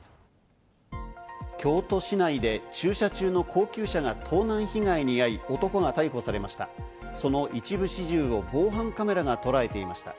京都市内で駐車中の高級車が盗難被害に遭い、男が逮捕されました。